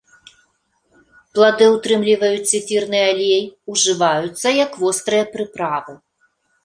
Плады ўтрымліваюць эфірны алей, ужываюцца як вострыя прыправы.